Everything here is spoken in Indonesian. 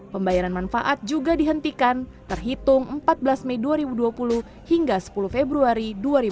pembayaran manfaat juga dihentikan terhitung empat belas mei dua ribu dua puluh hingga sepuluh februari dua ribu dua puluh